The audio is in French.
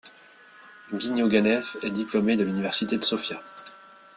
Guinyo Ganev est diplômé de l'université de Sofia.